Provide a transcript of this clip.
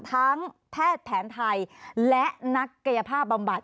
แพทย์แผนไทยและนักกายภาพบำบัด